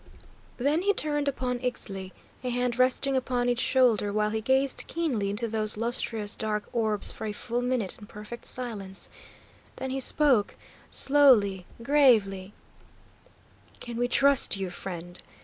Then he turned upon Ixtli, a hand resting upon each shoulder while he gazed keenly into those lustrous dark orbs for a full minute in perfect silence. Then he spoke, slowly, gravely: "Can we trust you, friend?